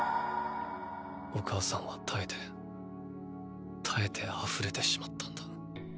お母さんは堪えて堪えてあふれてしまったんだ。